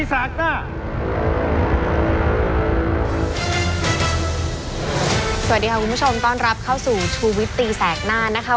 สวัสดีค่ะคุณผู้ชมต้อนรับเข้าสู่ชูวิตตีแสกหน้านะคะ